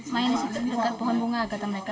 main di situ dekat pohon bunga kata mereka